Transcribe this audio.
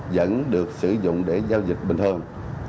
vẫn được sử dụng để giao dịch bình thường